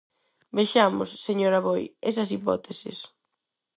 Vexamos, señor Aboi, esas hipóteses.